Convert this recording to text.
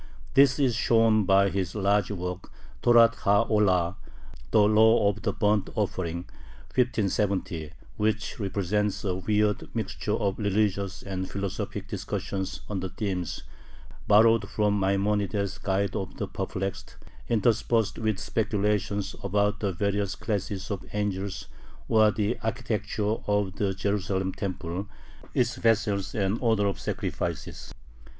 This is shown by his large work Torath ha `Olah ("The Law of the Burnt Offering," 1570), which represents a weird mixture of religious and philosophic discussions on themes borrowed from Maimonides' "Guide of the Perplexed," interspersed with speculations about the various classes of angels or the architecture of the Jerusalem temple, its vessels and order of sacrifices.